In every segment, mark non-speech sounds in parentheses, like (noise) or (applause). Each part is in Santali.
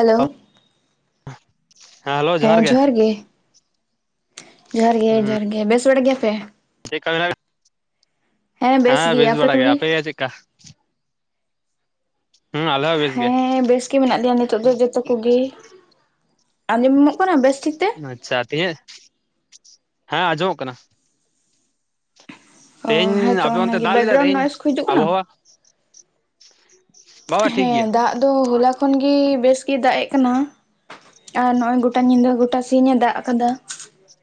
ᱦᱮᱞᱳ ᱾ ᱦᱮᱸ ᱦᱮᱞᱳ ᱡᱚᱦᱟᱨ ᱜᱮ ᱾ ᱡᱚᱦᱟᱨ ᱜᱮ, ᱦᱩᱸ ᱡᱚᱦᱟᱨ ᱜᱮ᱾ ᱵᱮᱥ ᱵᱟᱲ ᱜᱮᱭᱟ ᱯᱮ? ᱪᱮᱫᱠᱟ ᱢᱮ (inaudible) ᱦᱮᱸ ᱵᱮᱥ ᱵᱟᱲᱟ ᱜᱮ᱾ ᱟᱯᱮ ᱜᱮ ᱪᱮᱫᱠᱟ? ᱦᱩᱸ ᱟᱞᱮ ᱦᱚᱸ (inaudible) ᱦᱮᱸ ᱵᱮᱥ ᱜᱮ ᱢᱮᱱᱟᱜ ᱞᱮᱭᱟ ᱱᱤᱛᱚᱜ ᱫᱚ ᱡᱚᱛᱚ ᱠᱚᱜᱮ᱾ ᱟᱸᱡᱚᱢᱚᱜ ᱠᱟᱱᱟ ᱵᱮᱥ ᱴᱷᱤᱠ ᱛᱮ? ᱟᱪᱪᱷᱟ ᱾ ᱛᱤᱦᱤᱧ ᱦᱮᱸ ᱟᱸᱡᱚᱢᱚᱜ ᱠᱟᱱᱟ ᱾ ᱚ ᱛᱮᱦᱮᱧ ᱦᱮᱸᱛᱚ ᱟᱯᱮ ᱚᱱᱟ ᱚᱱᱛᱮ ᱜᱤ ᱫᱟᱜ ᱞᱮᱫᱟ ᱵᱮᱠᱠᱜᱨᱟᱣᱩᱱᱰ ᱛᱮᱦᱮᱧ ᱱᱚᱭᱮᱥ ᱠᱚ ᱦᱤᱡᱩᱜ ᱠᱟᱱᱟ? (inaudible) ᱵᱟᱵᱟ ᱴᱷᱤᱠ ᱦᱮᱸ ᱜᱮᱭᱟ ᱫᱟᱜ ᱫᱚ ᱦᱚᱞᱟ ᱠᱷᱚᱱ ᱜᱮ ᱵᱮᱥ ᱜᱮ ᱫᱟᱜ ᱮᱜ ᱠᱟᱱᱟ ᱾ ᱟᱨ ᱱᱚᱜᱼᱚᱭ ᱜᱚᱴᱟ ᱧᱤᱫᱟᱹ ᱜᱚᱴᱟ ᱥᱤᱧ ᱮ ᱫᱟᱜ ᱟᱠᱟᱫᱟ ᱾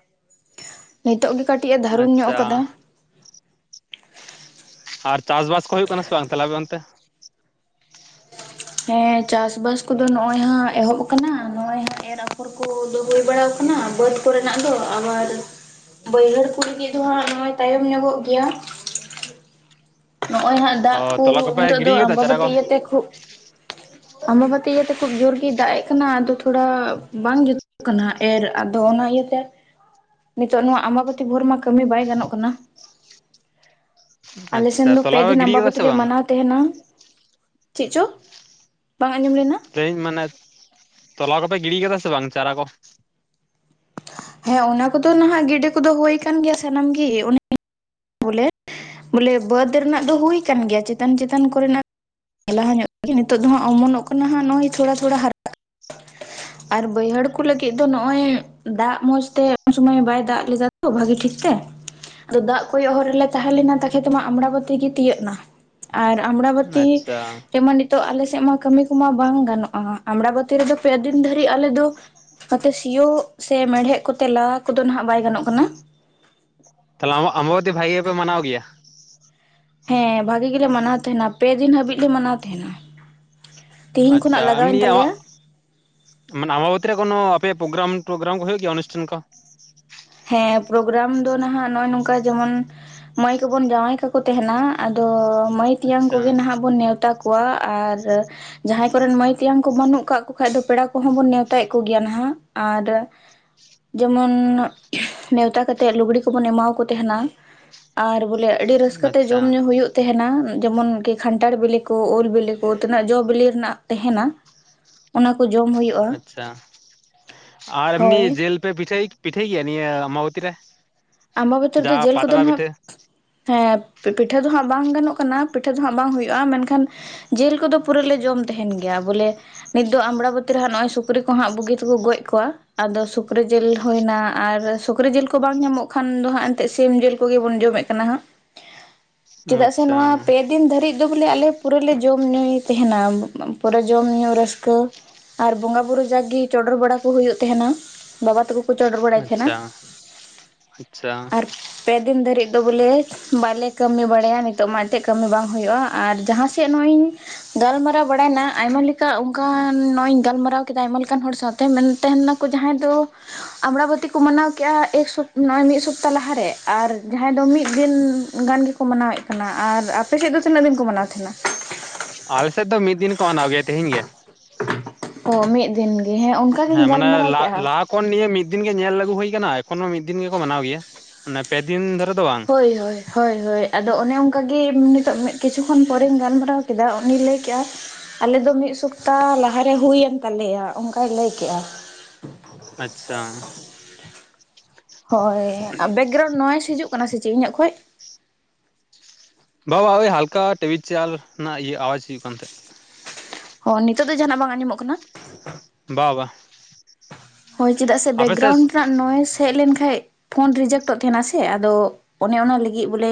(inaudible) ᱱᱤᱛᱚᱜ ᱜᱮ ᱠᱟᱹᱴᱤᱡ ᱮ ᱫᱟᱨᱩᱱ ᱧᱚᱜ ᱟᱪᱪᱷᱟ ᱟᱠᱟᱫᱟ ᱾ ᱟᱨ ᱪᱟᱥ ᱵᱟᱥ ᱠᱚ ᱦᱩᱭᱩᱜ ᱠᱟᱱᱟ ᱥᱮ ᱵᱟᱝ ᱟᱯᱮ ᱚᱱᱛᱮ? ᱦᱮᱸ ᱪᱟᱥ-ᱵᱟᱥ ᱠᱚᱫᱚ ᱱᱚᱜ-ᱚᱭ ᱦᱟᱸᱜ ᱮᱦᱚᱵ ᱠᱟᱱᱟ ᱱᱚᱜ-ᱚᱭ ᱦᱟᱸᱜ ᱮᱨ ᱟᱯᱷᱚᱨ ᱠᱚ ᱠᱚ ᱫᱚ ᱦᱳᱭ ᱵᱟᱲᱟ ᱠᱟᱱᱟ ᱵᱟᱹᱫᱽ ᱠᱚᱨᱮᱱᱟᱜ ᱫᱚ ᱟᱵᱟᱨ᱾ ᱵᱟᱹᱭᱦᱟᱹᱲ ᱠᱚ ᱞᱟᱹᱜᱤᱫ ᱫᱚ ᱦᱟᱸᱜ ᱱᱚᱜᱼᱚᱭ ᱛᱟᱭᱚᱢ ᱧᱚᱜᱚᱜ ᱜᱮᱭᱟ ᱱᱚᱜᱼᱚᱭ ᱦᱟᱜ ᱚ ᱫᱟᱜ ᱠᱚ ᱛᱚᱞᱟ ᱠᱚᱯᱮ ᱱᱤᱛᱚᱜ ᱫᱚ ᱜᱤᱰᱤ ᱠᱟᱫᱟ ᱪᱟᱨᱟ ᱟᱢᱵᱟᱼᱵᱚᱛᱤ ᱠᱚ ᱤᱭᱟᱹᱛᱮ ᱠᱷᱩᱵ ᱟᱢᱵᱟᱵᱚᱛᱤ ᱤᱭᱟᱹᱛᱮ ᱠᱷᱩᱵ ᱡᱳᱨ ᱜᱮᱭ ᱫᱟᱜ ᱮᱜ ᱠᱟᱱᱟ ᱟᱫᱚ ᱛᱷᱚᱲᱟ ᱵᱟᱝ ᱡᱩᱛ ᱠᱟᱱᱟ ᱮᱨ ᱟᱫᱚ ᱚᱱᱟ ᱤᱭᱟᱹᱛᱮ ᱱᱤᱛᱚᱜ ᱱᱚᱣᱟ ᱟᱢᱵᱟᱵᱚᱛᱤ ᱵᱷᱳᱨ ᱢᱟ ᱠᱟᱹᱢᱤ ᱵᱟᱭ ᱜᱟᱱᱚᱜ ᱠᱟᱱᱟ (inaudible) ᱟᱞᱮᱥᱮᱱ ᱟᱪᱪᱷᱟ ᱫᱚ ᱯᱮ ᱛᱚᱞᱟ ᱠᱚᱯᱮ ᱫᱤᱱ ᱜᱤᱰᱤ ᱠᱟᱫᱟ ᱟᱢᱵᱟᱵᱚᱛᱤ ᱥᱮ ᱞᱮ ᱵᱟᱝ ᱢᱟᱱᱟᱣ ᱛᱟᱦᱮᱱᱟ ᱪᱮᱫ ᱪᱚ ᱵᱟᱝ ᱟᱸᱡᱚᱢ ᱞᱮᱱᱟ? ᱛᱮᱦᱮᱧ ᱢᱟᱱᱮ ᱛᱚᱞᱟ ᱠᱚᱯᱮ ᱜᱤᱰᱤ ᱠᱟᱫᱟ ᱥᱮ ᱵᱟᱝ ᱪᱟᱨᱟ ᱠᱚ? ᱦᱮᱸ ᱚᱱᱟ ᱠᱚᱫᱚ ᱱᱟᱦᱟᱜ ᱜᱤᱰᱤ ᱠᱚᱫᱚ ᱦᱩᱭ ᱠᱟᱱ ᱜᱮᱭᱟ ᱥᱟᱱᱟᱢ ᱜᱤ ᱚᱱᱮ ᱵᱚᱞᱮ ᱵᱚᱞᱮ ᱵᱟᱹᱫᱽ ᱨᱮᱱᱟᱜ ᱫᱚ ᱦᱩᱭ ᱠᱟᱱ ᱜᱮᱭᱟ ᱪᱮᱛᱟᱱ ᱪᱮᱛᱟᱱ ᱠᱚᱨᱮᱱᱟᱜ ᱞᱟᱦᱟ ᱧᱚᱜ ᱛᱮᱜᱮ ᱱᱤᱛᱚᱜ ᱫᱚ ᱦᱟᱸᱜ ᱚᱢᱚᱱᱚᱜ ᱠᱟᱱᱟ ᱦᱟᱸᱜ ᱱᱚᱜᱼᱚᱭ ᱛᱷᱚᱲᱟ ᱛᱷᱚᱲᱟ ᱦᱟᱨᱟ ᱟᱨ ᱵᱟᱹᱭᱦᱟᱹᱲ ᱠᱚ ᱞᱟᱹᱜᱤᱫ ᱫᱚ ᱱᱚᱜᱼᱚᱭ ᱫᱟᱜ ᱢᱚᱸᱡᱽᱛᱮ ᱩᱱᱥᱳᱢᱚᱭ ᱵᱟᱭ ᱫᱟᱜ ᱞᱮᱫᱟ ᱛᱚ ᱵᱷᱟᱜᱤ ᱴᱷᱤᱠ ᱛᱮ ᱟᱫᱚ ᱫᱟᱜ ᱠᱚᱭᱚᱜ ᱦᱚᱨ ᱨᱮᱞᱮ ᱛᱟᱦᱮᱸ ᱞᱮᱱᱟ ᱛᱟᱠᱷᱮ ᱫᱚ ᱢᱟ ᱟᱢᱲᱟᱵᱟᱹᱛᱤ ᱜᱮ ᱛᱤᱭᱟᱹᱜ ᱮᱱᱟ ᱟᱨ ᱟᱢᱲᱟᱵᱟᱛᱤ ᱟᱪᱪᱷᱟ ᱡᱮᱢᱚᱱᱮ ᱛᱚ ᱟᱞᱮ ᱥᱮᱜ ᱢᱟ ᱠᱟᱹᱢᱤ ᱠᱚᱢᱟ ᱵᱟᱝ ᱜᱟᱱᱚᱜ-ᱟ ᱟᱢᱲᱟ ᱵᱟᱹᱛᱤ ᱨᱮᱫᱚ ᱯᱮ ᱫᱤᱱ ᱫᱷᱟᱹᱨᱤᱡ ᱟᱞᱮ ᱫᱚ ᱱᱚᱛᱮ ᱥᱤᱭᱳᱜ ᱥᱮ ᱢᱮᱲᱦᱮᱫ ᱠᱚᱛᱮ ᱞᱟ ᱠᱚᱫᱚ ᱱᱟᱦᱟᱜ ᱵᱟᱭ ᱜᱟᱱᱚᱜ ᱠᱟᱱᱟ᱾ ᱛᱟᱦᱚᱞᱮ ᱟᱢᱵᱟᱵᱚᱛᱤ ᱵᱷᱟᱜᱮ ᱜᱮ ᱯᱮ ᱢᱟᱱᱟᱣ ᱜᱮᱭᱟ? ᱦᱮᱸ ᱵᱷᱟᱜᱤ ᱜᱮᱞᱮ ᱢᱟᱱᱟᱣ ᱛᱟᱦᱮᱱᱟ ᱯᱮ ᱫᱤᱱ ᱦᱟᱹᱵᱤᱡ ᱞᱮ ᱢᱟᱱᱟᱣ ᱛᱟᱦᱮᱱᱟ ᱛᱤᱦᱤᱧ ᱟᱪᱪᱷᱟ ᱠᱷᱚᱱᱟᱜ ᱮᱢᱱᱤ ᱞᱟᱜᱟᱣᱮᱱ ᱟᱢᱟᱜ ᱛᱟᱞᱮᱭᱟ ᱢᱟᱱᱮ ᱟᱢᱟᱵᱚᱛᱤ ᱨᱮ ᱠᱳᱱᱚ ᱟᱯᱮᱭᱟᱜ ᱯᱳᱜᱨᱟᱢ ᱴᱳᱜᱨᱟᱢ ᱠᱚ ᱦᱳᱭᱳᱜ ᱜᱮᱭᱟ ᱚᱱᱥᱴᱷᱟᱱ ᱠᱚ? ᱦᱮᱸ ᱯᱨᱳᱜᱨᱟᱢ ᱫᱚ ᱱᱟᱦᱟᱜ ᱱᱚᱜᱼᱚᱭ ᱱᱚᱝᱠᱟ ᱡᱮᱢᱚᱱ ᱼᱼ ᱢᱟᱹᱭ ᱠᱚᱵᱚᱱ ᱡᱟᱶᱟᱭ ᱠᱟᱠᱚ ᱛᱟᱦᱮᱱᱟ ᱟᱫᱚ ᱢᱟᱹᱭ ᱛᱮᱭᱟᱝ ᱟᱪᱪᱷᱟ ᱠᱚᱜᱮ ᱱᱟᱦᱟᱜ ᱵᱚᱱ ᱱᱮᱣᱛᱟ ᱠᱚ ᱼᱼ ᱠᱚᱣᱟ ᱟᱨ ᱡᱟᱦᱟᱸᱭ ᱠᱚᱨᱮᱱ ᱢᱟᱹᱭ ᱛᱮᱭᱟᱝ ᱠᱚ ᱵᱟᱹᱱᱩᱜ ᱠᱟᱜ ᱠᱚ ᱠᱷᱟᱡ ᱫᱚ ᱯᱮᱲᱟ ᱠᱚᱦᱚᱸ ᱵᱚᱱ ᱱᱮᱣᱛᱟᱭᱮᱫ ᱠᱚᱜᱮᱭᱟ ᱱᱟᱦᱟᱜ ᱟᱨ ᱼᱼ ᱡᱮᱢᱚᱱ ᱱᱮᱣᱛᱟ ᱠᱟᱛᱮᱜ ᱞᱩᱜᱽᱲᱤ ᱠᱚᱵᱚᱱ ᱮᱢᱟᱣᱠᱚ ᱛᱟᱦᱮᱱᱟ᱾ ᱟᱨ ᱵᱚᱞᱮ ᱟᱹᱰᱤ ᱨᱟᱹᱥᱠᱟᱹ ᱛᱮ ᱟᱪᱪᱷᱟ ᱡᱚᱢ ᱧᱩ ᱦᱩᱭᱩᱜ ᱛᱟᱦᱮᱱᱟ ᱡᱮᱢᱚᱱ ᱠᱤ ᱠᱷᱟᱱᱴᱷᱟᱲ ᱵᱤᱞᱤ ᱠᱚ ᱩᱞ ᱵᱤᱞᱤ ᱠᱚ ᱛᱤᱱᱟᱹᱜ ᱡᱚ-ᱵᱤᱞᱤ ᱨᱮᱱᱟᱜ ᱛᱟᱦᱮᱱᱟ ᱾ (inaudible) ᱚᱱᱟ ᱠᱚ ᱡᱚᱢ᱾ ᱟᱪᱪᱷᱟ ᱟᱨ ᱮᱢᱱᱤ ᱦᱳᱭ ᱡᱮᱞ ᱯᱮ ᱯᱤᱴᱷᱟᱹᱭ ᱯᱤᱴᱷᱟᱹᱭ ᱜᱮᱭᱟ ᱱᱤᱭᱟᱹ ᱟᱢᱟᱵᱚᱛᱤ ᱨᱮ? ᱟᱢᱟᱵᱚᱛᱤ ᱨᱮᱫᱚ ᱡᱟᱦᱟᱸ ᱡᱮᱞ ᱠᱚᱫᱚ ᱯᱟᱛᱲᱟ ᱱᱟᱜ ᱯᱤᱴᱷᱟᱹ ᱦᱮᱸ ᱯᱤᱴᱷᱟᱹ ᱫᱚᱦᱟᱸᱜ ᱵᱟᱝ ᱜᱟᱱᱚᱜ ᱠᱟᱱᱟ ᱯᱤᱴᱷᱟᱹ ᱫᱚ ᱦᱟᱸᱜ ᱵᱟᱝ ᱦᱩᱭᱩᱜᱼᱟ ᱢᱮᱱᱠᱷᱟᱱ ᱼᱼ ᱡᱤᱞ ᱠᱚᱫᱚ ᱯᱩᱨᱟᱹ ᱞᱮ ᱡᱚᱢ ᱛᱟᱦᱮᱱ ᱜᱮᱭᱟ ᱵᱚᱞᱮ ᱱᱤᱛ ᱫᱚ ᱟᱢᱲᱟᱵᱚᱛᱤ ᱨᱮᱦᱟᱸᱜ ᱱᱚᱜᱼᱚᱭ ᱥᱩᱠᱨᱤ ᱠᱚᱦᱟᱸᱜ ᱵᱩᱜᱤ ᱛᱮᱠᱚ ᱜᱚᱡ ᱠᱚᱣᱟ ᱾ ᱟᱫᱚ ᱥᱩᱠᱨᱤ ᱡᱤᱞ ᱦᱩᱭᱱᱟ ᱟᱨ ᱥᱩᱠᱨᱤ ᱡᱤᱞ ᱠᱚ ᱵᱟᱝ ᱧᱟᱢᱚᱜ ᱠᱷᱟᱱ ᱫᱚ ᱦᱟᱸᱜ ᱮᱱᱛᱮᱜ ᱥᱤᱢ ᱡᱤᱞ ᱠᱚᱜᱤ ᱵᱚᱱ ᱡᱚᱢᱮᱜ ᱠᱟᱱᱟ ᱦᱟᱸᱜ ᱾ ᱪᱮᱫᱟᱜ ᱥᱮ ᱟᱪᱪᱷᱟ ᱱᱚᱣᱟ ᱯᱮᱫᱤᱱ ᱫᱷᱟᱹᱨᱤᱡ᱾ ᱫᱚ ᱵᱚᱞᱮ ᱟᱞᱮ ᱯᱩᱨᱟᱹ ᱞᱮ ᱡᱚᱢ-ᱧᱩᱭ ᱛᱟᱦᱮᱱᱟ ᱯᱩᱨᱟᱹ ᱡᱚᱢ-ᱧᱩ ᱨᱟᱹᱥᱠᱟᱹ ᱾ ᱟᱨ ᱵᱚᱸᱜᱟ ᱵᱩᱨᱩ ᱡᱟᱜᱽ ᱜᱤ ᱪᱚᱰᱚᱨ ᱵᱟᱲᱟ ᱠᱚ ᱦᱳᱭᱳᱜ ᱛᱟᱦᱮᱱᱟ ᱵᱟᱵᱟ ᱛᱟᱠᱩ᱾ ᱟᱪᱪᱷᱟ ᱟᱪᱪᱷᱟ ᱾ ᱟᱨ ᱯᱮ ᱫᱤᱱ ᱫᱷᱟᱹᱨᱤᱡ ᱫᱚ ᱵᱚᱞᱮ᱾ ᱵᱟᱞᱮ ᱠᱟᱹᱢᱤ ᱵᱟᱲᱟᱭᱟ ᱱᱤᱛᱚᱜ ᱢᱟ ᱮᱱᱛᱮᱡ ᱠᱟᱹᱢᱤ ᱵᱟᱝ ᱦᱩᱭᱩᱜᱼᱟ, ᱟᱨ ᱡᱟᱦᱟᱸ ᱥᱮᱫ ᱱᱚᱜ ᱤᱧ ᱜᱟᱞᱢᱟᱨᱟᱣ ᱵᱟᱲᱟᱭᱱᱟ ᱟᱭᱢᱟ ᱞᱮᱠᱟ ᱚᱱᱠᱟᱱ ᱱᱚᱜ ᱤᱧ ᱜᱟᱞᱢᱟᱨᱟᱣ ᱠᱮᱫᱟ ᱟᱭᱢᱟ ᱞᱮᱠᱟᱱ ᱦᱚᱲ ᱥᱟᱶ ᱛᱟᱦᱮᱸᱱᱟᱱ ᱛᱟᱦᱮ ᱱᱟᱠ ᱡᱟᱦᱟᱸᱭ ᱫᱚ ᱟᱢᱲᱟᱵᱚᱛᱤ ᱠᱚ ᱢᱟᱱᱟᱣ ᱠᱮᱜᱼᱟ, ᱮᱠᱥᱚᱯ ᱱᱚᱜ-ᱚᱭ ᱢᱤᱫ ᱥᱚᱯᱛᱟ ᱞᱟᱦᱟ ᱨᱮ ᱟᱨ ᱡᱟᱦᱟᱸᱭ ᱫᱚ ᱢᱤᱫ ᱫᱤᱱ ᱜᱟᱱ ᱜᱮᱠᱚ ᱢᱟᱱᱟᱣᱮᱫ ᱠᱟᱱᱟ ᱟᱨ ᱟᱯᱮ ᱥᱮᱫ ᱫᱚ ᱛᱤᱱᱟᱹᱜ ᱫᱤᱱ ᱠᱚ ᱢᱟᱱᱟᱣ ᱛᱟᱦᱮᱱᱟ? ᱟᱞᱮ ᱥᱮᱫ ᱫᱚ ᱢᱤᱫ ᱫᱤᱱ ᱠᱚ ᱢᱟᱱᱟᱣ ᱜᱮᱭᱟ ᱛᱮᱦᱤᱧ ᱜᱮ ᱾ ᱚ ᱢᱤᱫ ᱫᱤᱱ ᱜᱮ᱾ ᱦᱮᱸ ᱚᱱᱠᱟ ᱜᱤᱧ ᱜᱟᱞᱢᱟᱨᱟᱣ ᱠᱮᱜᱼᱟ ᱾ ᱠᱚᱱ ᱱᱤᱭᱟᱹ ᱢᱤᱫ ᱫᱤᱱ ᱜᱮ ᱧᱮᱞ ᱟᱹᱜᱩ ᱦᱩᱭ ᱠᱟᱱᱟ᱾ ᱮᱠᱷᱚᱱ ᱦᱚᱸ ᱢᱤᱫ ᱫᱤᱱ ᱜᱮᱠᱚ ᱢᱟᱱᱟᱣ ᱜᱮᱭᱟ᱾ ᱚᱱᱮ ᱯᱮ ᱫᱤᱱ ᱫᱷᱚᱨᱮ ᱫᱚ ᱵᱟᱝ ᱾ ᱦᱳᱭ ᱦᱳᱭ ᱦᱳᱭ ᱦᱳᱭ ᱟᱫᱚ ᱚᱱᱮ ᱚᱱᱠᱟ ᱜᱤ ᱱᱤᱛᱚᱜ ᱢᱤᱫ ᱠᱤᱪᱷᱩ ᱠᱷᱚᱱ ᱯᱚᱨᱮᱧ ᱜᱟᱞᱢᱟᱨᱟᱣ ᱠᱮᱫᱟ ᱩᱱᱤᱭ ᱞᱟᱹᱭ ᱠᱮᱜᱼᱟ ᱟᱞᱮ ᱫᱚ ᱢᱤᱫ ᱥᱚᱯᱛᱟ ᱞᱟᱦᱟ ᱨᱮ ᱦᱩᱭᱮᱱ ᱛᱟᱞᱮᱭᱟ ᱚᱱᱠᱟᱭ ᱞᱟᱹᱭ ᱠᱮᱜ-ᱟ ᱾ ᱟᱪᱪᱷᱟ ᱾ ᱦᱳᱭ ᱟᱨ ᱵᱮᱠᱜᱨᱟᱣᱩᱱᱰ ᱱᱚᱭᱮᱥ ᱦᱤᱡᱩᱜ ᱠᱟᱱᱟ ᱥᱮ ᱪᱮᱜ ᱤᱧᱟᱹᱜ ᱠᱷᱚᱡ? ᱵᱟ-ᱵᱟ ᱳᱭ ᱦᱟᱞᱠᱟ ᱴᱮᱵᱤᱞ ᱪᱮᱭᱟᱞ ᱨᱮᱱᱟᱜ ᱤᱭᱟᱹ ᱟᱣᱟᱡᱽ ᱦᱩᱭᱩᱜ ᱠᱟᱱ ᱛᱟᱦᱮᱸᱫ ᱾ ᱚ ᱱᱤᱛᱚᱜ ᱫᱚ ᱡᱟᱦᱟᱱᱟᱜ ᱵᱟᱝ ᱟᱸᱡᱚᱢᱚᱜ ᱠᱟᱱᱟ? ᱵᱟ - ᱵᱟ ᱦᱳᱭ ᱪᱮᱫᱟᱜ ᱥᱮ ᱟᱯᱮ ᱥᱮᱫ ᱵᱮᱠᱜᱨᱩᱱᱰ ᱨᱮᱱᱟᱜ ᱱᱚᱭᱮᱥ ᱦᱮᱡ ᱞᱮᱱ ᱠᱷᱟᱡ ᱯᱷᱳᱱ ᱨᱤᱡᱮᱠᱴᱚᱜ ᱛᱟᱦᱮᱱᱟ ᱥᱮ ᱟᱫᱚ ᱚᱱᱮ ᱚᱱᱟ ᱞᱟᱹᱜᱤᱫ ᱵᱚᱞᱮ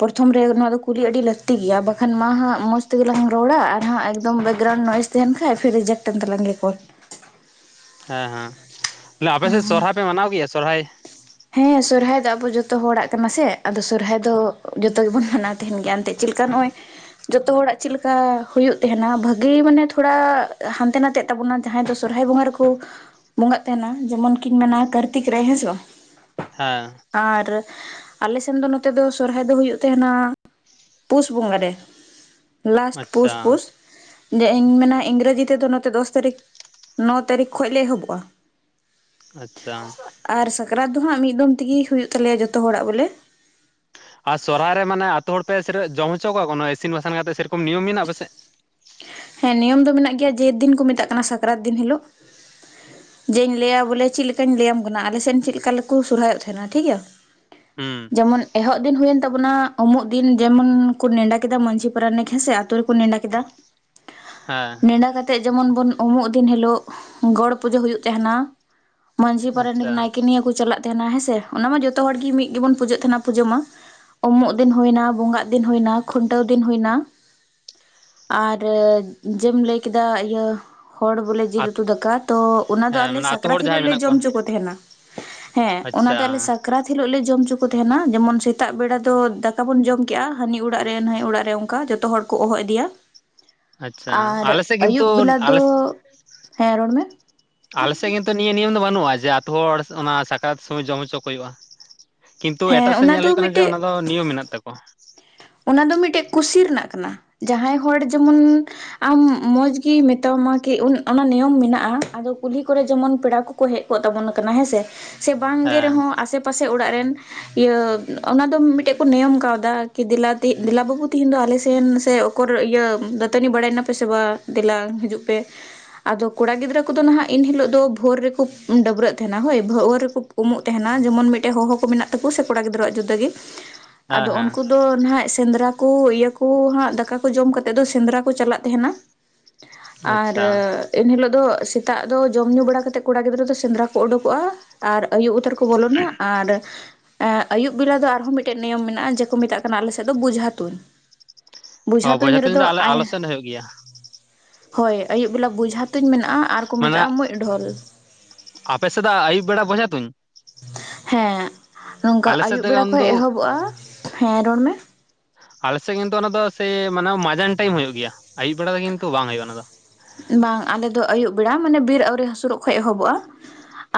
ᱯᱨᱚᱛᱷᱚᱢ ᱨᱮ ᱱᱚᱣᱟ ᱫᱚ ᱠᱩᱞᱤ ᱟᱹᱰᱤ ᱞᱟᱹᱠᱛᱤ ᱜᱮᱭᱟ᱾ ᱵᱟᱠᱷᱟᱱ ᱢᱟ ᱦᱟᱸᱜ ᱢᱚᱥ ᱛᱤᱜᱤᱞᱟᱝ ᱨᱚᱲᱟ ᱟᱨ ᱦᱟᱸᱜ ᱮᱠᱫᱚᱢ ᱵᱮᱠᱜᱨᱟᱣᱩᱱᱰ ᱱᱚᱭᱮᱥ ᱛᱟᱦᱮᱱ ᱠᱷᱟᱡ ᱯᱷᱤᱨ ᱨᱤᱡᱮᱠᱴᱮᱱ ᱛᱟᱞᱟᱝ ᱜᱤ ᱠᱚᱞ ᱾ ᱦᱮᱸ ᱦᱮᱸ ᱛᱟᱞᱮ ᱟᱯᱮ ᱥᱮᱜ ᱥᱚᱨᱦᱟᱭ ᱯᱮ ᱢᱟᱱᱟᱣ ᱜᱤᱭᱟ ᱥᱚᱨᱦᱟᱭ? ᱦᱮᱸ ᱥᱚᱨᱦᱟᱭ ᱫᱚ ᱟᱵᱚ ᱡᱚᱛᱚ ᱦᱚᱲᱟᱜ ᱠᱟᱱᱟ ᱥᱮ ᱟᱫᱚ ᱥᱚᱨᱦᱟᱭ ᱫᱚ ᱡᱚᱛᱚ ᱜᱮᱵᱚᱱ ᱢᱟᱱᱟᱣ ᱛᱟᱦᱮᱱ ᱜᱮᱭᱟ ᱮᱱᱛᱮᱫ ᱪᱤᱜ ᱞᱮᱠᱟ ᱱᱚᱜᱼᱚᱭ ᱼᱼ ᱡᱚᱛᱚ ᱦᱚᱲᱟᱜ ᱪᱤᱜ ᱞᱮᱠᱟ ᱦᱩᱭᱩᱜ ᱛᱟᱦᱮᱱᱟ, ᱵᱷᱟᱹᱜᱤ ᱢᱟᱱᱮ ᱛᱷᱚᱲᱟ ᱦᱟᱱᱛᱮ ᱱᱟᱛᱮᱜ ᱛᱟᱵᱚᱱᱟ ᱡᱟᱦᱟᱸᱭ ᱫᱚ ᱥᱚᱨᱦᱟᱭ ᱵᱚᱸᱜᱟ ᱨᱮᱠᱚ ᱵᱚᱸᱜᱟᱜ ᱛᱟᱦᱮᱱᱟ᱾ ᱡᱮᱢᱚᱱ ᱠᱤᱱ ᱢᱮᱱᱟ ᱠᱟᱨᱛᱤᱠ ᱨᱮ ᱦᱮᱸ ᱥᱮ ᱵᱟᱝ? ᱦᱮᱸ ᱾ ᱟᱨ ᱟᱞᱮ ᱥᱮᱱ ᱫᱚ ᱱᱚᱛᱮ ᱫᱚ ᱥᱚᱨᱦᱟᱭ ᱫᱚ ᱦᱩᱭᱩᱜ ᱛᱟᱦᱮᱱᱟ ᱯᱩᱥ ᱵᱚᱸᱜᱟ ᱨᱮ᱾ ᱞᱟᱥᱴ ᱯᱩᱥ ᱟᱪᱪᱷᱟ ᱯᱩᱥ ᱾ ᱡᱮ ᱤᱧ ᱢᱮᱱᱟ ᱤᱝᱨᱮᱡᱤ ᱛᱮᱫᱚ ᱱᱚᱛᱮ ᱫᱚᱥ ᱛᱟᱹᱨᱤᱠᱷ ᱱᱚ ᱛᱟᱹᱨᱤᱠᱷ ᱠᱷᱚᱡ ᱞᱮ ᱮᱦᱚᱵᱚᱜᱼᱟ ᱾ ᱟᱪᱪᱷᱟ ᱾ ᱟᱨ ᱥᱟᱠᱨᱟᱛ ᱫᱚ ᱦᱟᱸᱜ ᱢᱤᱫ ᱫᱚᱢ ᱛᱮᱜᱮ ᱦᱩᱭᱩᱜ ᱛᱟᱞᱮᱭᱟ ᱡᱚᱛᱚ ᱦᱚᱲᱟᱜ ᱵᱚᱞᱮ ᱾ ᱟᱨ ᱥᱚᱦᱚᱨᱟᱭ ᱨᱮ ᱢᱟᱱᱮ ᱟᱹᱛᱩ ᱦᱚᱲ ᱯᱮ ᱥᱮ ᱡᱚᱢ ᱦᱚᱪᱚ ᱠᱟᱣᱟ ᱤᱥᱤᱱ ᱵᱟᱥᱟᱝ ᱠᱟᱛᱮᱜ ᱥᱮ ᱨᱚᱠᱚᱢ ᱱᱤᱭᱚᱢ ᱢᱮᱱᱟᱜᱼᱟ ᱟᱯᱮᱥᱮᱫ? ᱦᱮᱸ ᱱᱤᱭᱚᱢ ᱫᱚ ᱢᱮᱱᱟᱜ ᱜᱮᱭᱟ ᱡᱮ ᱫᱤᱱ ᱠᱚ ᱢᱮᱛᱟᱜ ᱠᱟᱱᱟ ᱥᱟᱠᱨᱟᱛ ᱫᱤᱱ ᱦᱤᱞᱳᱜ ᱾ ᱡᱮᱧ ᱞᱟᱹᱭᱟ ᱵᱚᱞᱮ ᱪᱮᱫ ᱞᱮᱠᱟᱧ ᱞᱟᱹᱭᱟᱢ ᱠᱟᱱᱟ, ᱟᱞᱮᱥᱮᱫ ᱪᱮᱫ ᱞᱮᱠᱟ ᱠᱚ ᱥᱚᱦᱚᱨᱟᱭ ᱚᱜ ᱛᱟᱦᱮᱱᱟ ᱴᱷᱤᱠ ᱜᱮᱭᱟ ᱾ ᱦᱩᱸ ᱡᱮᱢᱚᱱ ᱮᱦᱚᱵ ᱫᱤᱱ ᱦᱩᱭᱮᱱ ᱛᱟᱵᱚᱱᱟ ᱩᱢᱩᱜ ᱫᱤᱱ, ᱡᱮᱢᱚᱱ ᱠᱚ ᱱᱮᱰᱟ ᱠᱮᱫᱟ ᱢᱟᱺᱡᱷᱤ ᱯᱟᱨᱟᱱᱤᱠ ᱦᱮᱸ ᱥᱮ ᱟᱛᱳ ᱨᱮᱠᱚ ᱱᱮᱰᱟ ᱠᱮᱫᱟ ᱦᱮᱸ ᱾ ᱤᱱᱟ ᱠᱟᱛᱮᱜ ᱡᱮᱢᱚᱱ ᱵᱚᱱ ᱩᱢᱩᱜ ᱫᱤᱱ ᱦᱤᱞᱳᱜ ᱜᱚᱲ ᱯᱩᱡᱟᱹ ᱦᱩᱭᱩᱜ ᱛᱟᱦᱮᱱᱟ ᱢᱟᱺᱡᱷᱤ ᱯᱟᱨᱟᱱᱤᱠ ᱟᱪᱪᱷᱟ ᱱᱟᱭᱠᱮ ᱱᱤᱭᱟᱹ ᱠᱚ ᱪᱟᱞᱟᱜ ᱛᱟᱦᱮᱱᱟ ᱦᱮᱸ ᱥᱮ ᱾ ᱚᱱᱟ ᱢᱟ ᱡᱚᱛᱚ ᱦᱚᱲ ᱜᱮ ᱢᱤᱫ ᱜᱮᱵᱚᱱ ᱯᱩᱡᱟᱹᱜ ᱛᱟᱦᱮᱱᱟ ᱯᱩᱡᱟᱹ ᱢᱟ ᱩᱢᱩᱜ ᱫᱤᱱ ᱦᱩᱭᱱᱟ, ᱵᱚᱸᱜᱟᱜ ᱫᱤᱱ ᱦᱩᱭᱱᱟ, ᱠᱷᱩᱱᱴᱟᱹᱣ ᱫᱤᱱ ᱦᱩᱭᱱᱟ ᱟᱨ ᱡᱮᱢ ᱞᱟᱹᱭ ᱠᱮᱫᱟ ᱤᱭᱟᱹ ᱦᱚᱲ ᱵᱚᱞᱮ ᱡᱤᱞ ᱟᱛ ᱩᱛᱩ ᱫᱟᱠᱟ ᱛᱚ ᱚᱱᱟᱫᱚ ᱦᱮᱸ ᱟᱞᱮ ᱢᱟᱱᱮ ᱟᱛᱳ ᱦᱚᱲ ᱥᱟᱠᱨᱟᱛ ᱦᱤᱞᱳᱜ ᱡᱟᱦᱟᱸᱭ ᱞᱮ ᱢᱮᱱᱟᱜ ᱡᱚᱢ ᱠᱚᱣᱟ ᱚᱪᱚ ᱠᱚ ᱛᱟᱦᱮᱱᱟ ᱾ ᱦᱮᱸ ᱚᱱᱟ ᱟᱪᱪᱷᱟ ᱫᱚ ᱟᱞᱮ ᱥᱟᱠᱨᱟᱛ ᱦᱤᱞᱳᱜ ᱞᱮ ᱡᱚᱢ ᱦᱚᱪᱚ ᱠᱚ ᱛᱟᱦᱮᱱᱟ᱾ ᱡᱮᱢᱚᱱ ᱥᱮᱛᱟᱜ ᱵᱮᱲᱟ ᱫᱚ ᱫᱟᱠᱟ ᱵᱚᱱ ᱡᱚᱢ ᱠᱮᱜᱼᱟ, ᱦᱟᱹᱱᱤ ᱚᱲᱟᱜ ᱨᱮ ᱱᱟᱹᱭ ᱚᱲᱟᱜ ᱨᱮ ᱚᱱᱠᱟ ᱡᱚᱛᱚ ᱦᱚᱲ ᱾ ᱠᱚ ᱦᱚᱦᱚ ᱤᱫᱤᱭᱟ᱾ ᱟᱪᱪᱷᱟ ᱟᱨ ᱟᱞᱮ ᱥᱮᱫ ᱜᱮᱛᱚ ᱟᱹᱭᱩᱵ ᱵᱮᱞᱟ ᱫᱚ ᱟᱞᱮ ᱦᱮᱸ ᱨᱚᱲ ᱢᱮ ᱟᱞᱮᱥᱮᱫ ᱠᱤᱱᱛᱩ ᱱᱤᱭᱟᱹ ᱱᱤᱭᱚᱢ ᱫᱚ ᱵᱟᱹᱱᱩᱜᱼᱟ ᱡᱮ ᱟᱛᱩ ᱦᱚᱲ ᱚᱱᱟ ᱥᱟᱠᱨᱟᱛ ᱥᱚᱢᱚᱭ ᱡᱚᱢ ᱦᱚᱪᱚ ᱠᱚ ᱦᱩᱭᱩᱜᱼᱟ᱾ ᱠᱤᱱᱛᱩ ᱦᱮᱸ ᱮᱴᱟᱜ ᱥᱮᱫ ᱚᱱᱟ ᱧᱮᱞ ᱫᱚ ᱦᱩᱭᱩᱜ ᱠᱟᱱᱟ ᱡᱮ ᱢᱤᱫᱴᱮᱡ ᱚᱱᱟ ᱫᱚ ᱱᱤᱭᱚᱢ ᱢᱮᱱᱟᱜ ᱛᱟᱠᱚᱣᱟ᱾ ᱚᱱᱟ ᱫᱚ ᱢᱤᱫᱴᱮᱜ ᱠᱩᱥᱤ ᱨᱮᱱᱟᱜ ᱠᱟᱱᱟ ᱡᱟᱦᱟᱸᱭ ᱦᱚᱲ ᱡᱮᱢᱚᱱ ᱟᱢ ᱢᱚᱡᱽ ᱜᱮ ᱢᱮᱛᱟ ᱟᱢᱟ ᱠᱤ ᱚᱱᱟ ᱱᱤᱭᱚᱢ ᱢᱮᱱᱟᱜᱼᱟ ᱟᱫᱚ ᱠᱩᱞᱦᱤ ᱠᱚᱨᱮ ᱡᱮᱢᱚᱱ ᱯᱮᱲᱟ ᱠᱚ ᱠᱚ ᱦᱮᱡ ᱠᱚᱜ ᱛᱟᱵᱚᱱ ᱠᱟᱱᱟ ᱦᱮᱸ ᱥᱮ ᱥᱮ ᱵᱟᱝᱜᱮ ᱦᱮᱸ ᱨᱮᱦᱚᱸ ᱟᱥᱮ ᱯᱟᱥᱮ ᱚᱲᱟᱜ ᱨᱮᱱ ᱤᱭᱟᱹ ᱚᱱᱟ ᱫᱚ ᱢᱤᱫᱴᱮᱱ ᱠᱚ ᱱᱤᱭᱚᱢ ᱠᱟᱣᱫᱟ᱾ ᱠᱤ ᱫᱮᱞᱟ ᱫᱮᱞᱟ ᱵᱟᱹᱵᱩ ᱛᱤᱦᱤᱧ ᱫᱚ ᱟᱞᱮᱥᱮᱱ ᱥᱮ ᱚᱠᱚᱨ ᱤᱭᱟᱹ ᱫᱟᱹᱛᱟᱹᱱᱤ ᱵᱟᱲᱟᱭ ᱱᱟᱯᱮ ᱥᱮ ᱵᱟᱝ ᱫᱮᱞᱟᱝ ᱦᱤᱡᱩᱜ ᱯᱮ᱾ ᱟᱫᱚ ᱠᱚᱲᱟ ᱜᱤᱫᱽᱨᱟᱹ ᱠᱚᱫᱚ ᱱᱟᱦᱟᱜ ᱤᱱ ᱦᱤᱞᱳᱜ ᱫᱚ ᱵᱷᱳᱨ ᱨᱮᱠᱚ ᱰᱟᱹᱵᱽᱨᱟᱹᱜ ᱛᱟᱦᱮᱱᱟ ᱦᱳᱭ ᱵᱷᱳᱨ ᱨᱮᱠᱚ᱾ ᱩᱢᱩᱜ ᱛᱟᱦᱮᱱᱟ ᱡᱮᱢᱚᱱ ᱢᱤᱫᱴᱮᱡ ᱦᱚᱦᱚ ᱠᱚ ᱢᱮᱱᱟᱜ ᱛᱟᱠᱚᱭᱟ ᱥᱮ ᱠᱚᱲᱟ ᱜᱤᱫᱽᱨᱟᱹᱣᱟᱜ ᱡᱩᱫᱟᱹ ᱜᱮᱟ ᱦᱮᱸ ᱟᱫᱚ ᱚᱱ ᱦᱮᱸ ᱱᱟᱦᱜ ᱥᱮᱸᱫᱽᱨᱟ ᱠᱚ ᱤᱭᱟᱹ ᱠᱚ ᱦᱟᱸᱜ ᱫᱟᱠᱟ ᱠᱚ ᱡᱚᱢ ᱠᱟᱛᱮᱜ ᱫᱚ ᱥᱮᱸᱫᱽᱨᱟ ᱠᱚ ᱪᱟᱞᱟᱜ ᱛᱟᱦᱮᱱᱟ᱾ ᱟᱨ ᱟᱪᱪᱷᱟ ᱮᱱ ᱦᱤᱞᱳᱜ ᱫᱚ ᱥᱮᱛᱟᱜ ᱫᱚ ᱡᱚᱢ ᱧᱩ ᱵᱟᱲᱟᱛᱮᱫ ᱠᱚᱲᱟ ᱜᱤᱫᱽᱨᱟᱹ ᱫᱚ ᱥᱮᱸᱫᱽᱨᱟ ᱠᱚ ᱩᱰᱩᱠᱚᱜᱼᱟ ᱾ ᱟᱨ ᱟᱭᱩᱵ ᱩᱛᱟᱹᱨ ᱠᱚ ᱵᱚᱞᱚᱱᱟ ᱟᱨ ᱟᱹᱭᱩᱵ ᱵᱮᱞᱟ ᱫᱚ ᱟᱨᱦᱚᱸ ᱢᱤᱫᱴᱮᱱ ᱱᱤᱭᱚᱢ ᱢᱮᱱᱟᱜᱼᱟ᱾ ᱢᱮᱛᱟᱜ ᱠᱟᱱᱟ ᱟᱞᱮ ᱥᱮᱫ ᱫᱚ ᱵᱚᱡᱷᱟ ᱛᱩᱧ ᱵᱡᱷᱟ ᱚ ᱛᱩᱧ ᱵᱚᱡᱷᱟ ᱨᱮᱫᱚ ᱫᱚ ᱟᱞᱮ ᱟᱭ ᱟᱞᱮ ᱥᱮᱫ ᱦᱩᱭᱩᱜ ᱜᱮᱭᱟ ᱦᱳᱭ ᱟᱹᱭᱩᱵ ᱵᱮᱞᱟ ᱵᱩᱡᱷᱟ ᱛᱩᱧ ᱢᱮᱱᱟᱜᱼᱟ ᱟᱨ ᱠᱚ ᱢᱮᱛᱟᱜᱼᱟ ᱢᱩᱡ ᱰᱷᱳᱞ᱾ ᱟᱯᱮᱥᱮ ᱫᱚ ᱟᱹᱭᱩᱵ ᱵᱮᱲᱟ ᱵᱚᱡᱷᱟ ᱛᱩᱧ? ᱦᱮᱸ ᱱᱚᱝᱠᱟ ᱟᱞᱮ ᱥᱮᱫ ᱟᱹᱭᱩᱵ ᱫᱚ ᱵᱮᱲᱟ ᱠᱷᱚᱱ ᱠᱤᱱᱛᱩ ᱮᱦᱚᱵᱚᱜᱼᱟ, ᱦᱮᱸ ᱨᱚᱲ ᱢᱮ᱾ ᱟᱞᱮᱥᱮᱫ ᱠᱤᱱᱛᱩ ᱚᱱᱟ ᱥᱮᱭ ᱢᱟᱱᱮ ᱢᱟᱡᱟᱱ ᱴᱟᱭᱤᱢ ᱦᱳᱭᱳ ᱜᱮᱭᱟ, ᱟᱭᱩᱵ ᱵᱮᱲᱟ ᱫᱚ ᱠᱤᱱᱛᱩ ᱵᱟᱝ ᱦᱩᱭᱩᱜᱼᱟ ᱚᱱᱟ ᱫᱚ ᱾ ᱵᱟᱝ ᱟᱞᱮ ᱫᱚ ᱟᱹᱭᱩᱵ ᱵᱮᱲᱟ ᱢᱟᱱᱮ ᱵᱮᱨ ᱟᱹᱣᱨᱤ ᱦᱟᱹᱥᱩᱨᱚᱜ ᱠᱷ ᱮᱦᱚᱵᱚᱜᱼᱟ᱾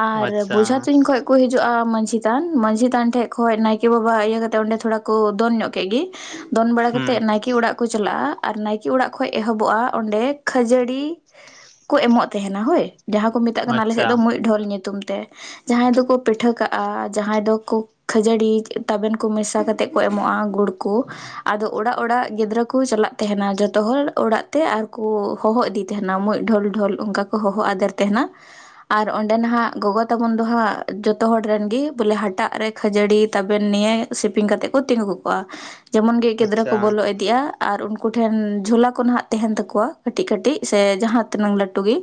ᱟᱨ ᱟᱪᱪᱷᱟ ᱵᱡᱷᱟ ᱛᱧ ᱠᱷᱚᱡ ᱠᱚ ᱦᱤᱡᱩᱜᱼᱟ ᱢᱟᱹᱡᱷᱤ ᱛᱷᱟᱱ ᱢᱟᱹᱡᱷᱤ ᱛᱷᱟᱱ ᱴᱷᱮᱡ ᱠᱷᱱ ᱱᱟᱭᱠᱮ ᱵᱟᱵᱟ ᱤᱭᱟᱹ ᱠᱟᱛᱮᱫ ᱚᱸᱰᱮ ᱛᱷᱚᱲᱟ ᱠᱚ ᱫᱚᱱ ᱧᱚᱜ ᱠᱮᱫ ᱜᱮ ᱾ ᱫᱚᱱ ᱵᱟᱲᱟ ᱦᱩᱸ ᱠᱟᱛᱮᱫ ᱱᱟᱭᱠᱮ ᱚᱲᱟᱜ ᱠᱚ ᱪᱟᱞᱟᱜᱼᱟ, ᱟᱨ ᱱᱟᱭᱠᱮ ᱚᱲᱟᱜ ᱠᱷᱚᱱ ᱮᱦᱚᱵᱚᱜᱼᱟ ᱚᱸᱰᱮ ᱠᱷᱟᱡᱟᱹᱲᱤ ᱲᱤ ᱠᱚ ᱮᱢᱚᱜ ᱛᱟᱦᱮᱱᱟ, ᱦᱳᱭ ᱡᱟᱦᱟᱸ ᱠᱚ ᱢᱮᱛᱟᱜ ᱠᱟᱱᱟ ᱟᱞᱮᱥᱮᱫ ᱟᱪᱪᱷᱟ ᱫᱚ ᱢᱩᱡ ᱰᱷᱳᱞ ᱧᱩᱛᱩᱢ ᱛᱮ᱾ ᱡᱟᱦᱟᱸᱭ ᱫᱚᱠᱚ ᱯᱤᱴᱷᱟᱹ ᱠᱟᱜᱼᱟ ᱡᱟᱦᱟᱸᱭ ᱫᱚᱠᱚ ᱠᱷᱟᱹᱡᱟᱹᱲᱤ ᱛᱟᱵᱮᱱ ᱠᱚ ᱢᱮᱥᱟ ᱠᱟᱛᱮᱫ ᱠᱚ ᱮᱢᱚᱜᱼᱟ ᱜᱩᱲ ᱠᱚ᱾ ᱟᱫᱚ ᱚᱲᱟᱜ ᱚᱲᱟᱜ ᱜᱤᱫᱽᱨᱟᱹ ᱠᱚ ᱪᱟᱞᱟᱜ ᱛᱟᱦᱮᱱᱟ ᱡᱚᱛᱚ ᱦᱚᱲ ᱚᱲᱟᱜ ᱛᱮ ᱟᱨᱠᱩ ᱦᱚᱦᱚ ᱤᱫᱤ ᱛᱟᱦᱮᱱᱟ ᱢᱩᱡ ᱰᱷᱳᱞ ᱰᱷᱳᱞ ᱚᱱᱠᱟ ᱠᱚ ᱦᱚᱦᱚ ᱟᱫᱮᱨ ᱛᱟᱦᱮᱱᱟ᱾ ᱟᱨ ᱚᱸᱰᱮ ᱱᱟᱦᱟᱜ ᱜᱚᱜᱚ ᱛᱟᱵᱚᱱ ᱫᱚ ᱦᱟᱸᱜ ᱡᱚᱛᱚ ᱦᱚᱲ ᱨᱮᱱ ᱜᱤ ᱵᱚᱞᱮ ᱦᱟᱴᱟᱜ ᱨᱮ ᱠᱷᱟᱹᱡᱟᱹᱲᱤ ᱛᱟᱵᱮᱱ ᱱᱤᱭᱟᱹ ᱥᱮᱯᱤᱝ ᱠᱟᱛᱮᱫ ᱠᱚ ᱛᱤᱸᱜᱩ ᱠᱚᱜᱼᱟ᱾ ᱡᱮᱢᱚᱱ ᱜᱮ ᱜᱤᱫᱽᱨᱟᱹ ᱠᱚ ᱟᱪᱪᱷᱟ ᱵᱚᱞᱚ ᱤᱫᱤᱜᱼᱟ ᱟᱨ ᱩᱱᱠᱩ ᱴᱷᱮᱱ ᱡᱷᱚᱞᱟ ᱠᱚ ᱱᱟᱦᱟᱜ ᱛᱟᱦᱮᱱ ᱛᱟᱠᱚᱣᱟ ᱠᱟᱹᱴᱤᱡ ᱠᱟᱹᱴᱤᱡ᱾ ᱥᱮ ᱡᱟᱦᱟᱸ ᱛᱤᱱᱟᱹᱝ ᱞᱟᱹᱴᱩ ᱜᱮ᱾